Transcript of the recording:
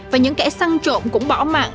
và những kẻ săn trộm cũng bỏ mạng